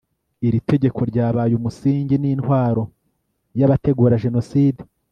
iri tegeko ryabaye umusingi n'intwaro y'abategura jenoside